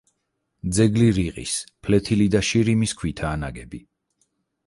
ძეგლი რიყის, ფლეთილი და შირიმის ქვითაა ნაგები.